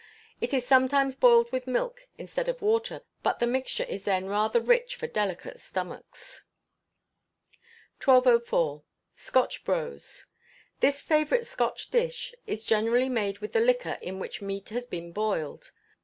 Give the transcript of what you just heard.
It is sometimes boiled with milk instead of water, but the mixture is then rather rich for delicate stomachs. 1204. Scotch Brose. This favourite Scotch dish is generally made with the liquor in which meat has been boiled.